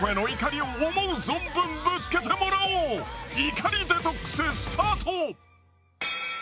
怒りデトックススタート